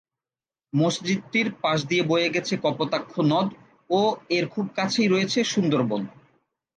মসজিদটির পাশ দিয়ে বয়ে গেছে কপোতাক্ষ নদ ও এর খুব কাছেই রয়েছে সুন্দরবন।